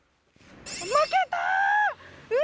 負けた！